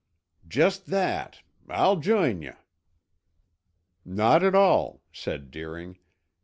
"Just that! I'll join ye." "Not at all," said Deering.